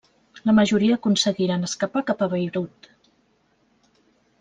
La majoria aconseguiren escapar cap a Beirut.